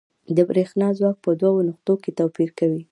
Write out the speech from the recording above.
د برېښنا ځواک په دوو نقطو کې توپیر کوي.